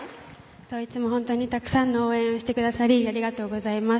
いつも本当にたくさんの応援をしてくださりありがとうございます。